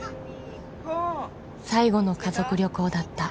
［最後の家族旅行だった］